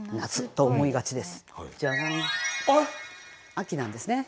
秋なんですね。